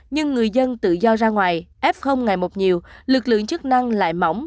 nhưng người dân tự do ra ngoài f ngày một nhiều lực lượng chức năng lại mỏng